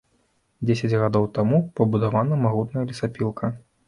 Дзесяць гадоў таму пабудавана магутная лесапілка.